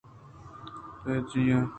پائیرجیاؔ